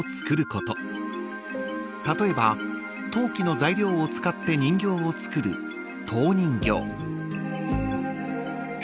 ［例えば陶器の材料を使って人形を作る陶人形］